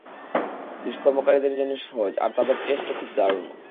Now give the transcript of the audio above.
দুষ্কর্মকারীদের জন্য সহজ, আর তাদের টেস্টও খুব দারুণ।